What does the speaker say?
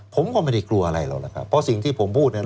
ผมก็ไม่ได้กลัวอะไรหรอกนะครับเพราะสิ่งที่ผมพูดเนี่ย